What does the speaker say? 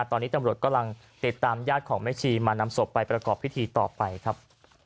ตอนนี้ตำรวจกำลังติดตามญาติของแม่ชีมานำศพไปประกอบพิธีต่อไปครับ